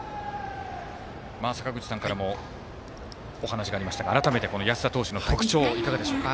坂口さんからもお話がありましたが改めて安田投手の特徴いかがでしょうか。